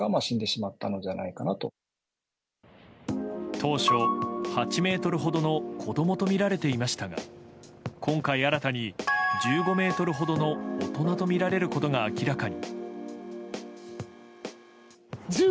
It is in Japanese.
当初、８ｍほどの子供とみられていましたが今回新たに、１５ｍほどの大人とみられることが明らかに。